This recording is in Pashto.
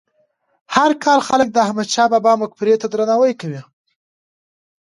هر کال خلک د احمد شاه بابا مقبرې ته درناوی کوي.